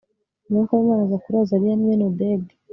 Umwuka wImana aza kuri Azariya mwene Odedi